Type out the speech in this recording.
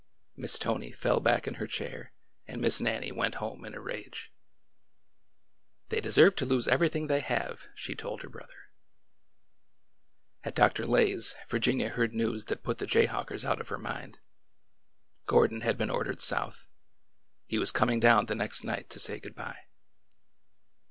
Miss Tony fell back in her chair and Miss Nannie went home in a rage. '' They deserve to lose everything they have ! she told her brother. At Dr. Lay's, Virginia heard news that put the jay hawkers out of her mind. Gordon had been ordered South. He was coming down the next night to say good by.